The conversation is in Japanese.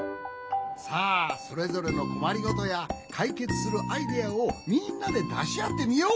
さあそれぞれのこまりごとやかいけつするアイデアをみんなでだしあってみよう。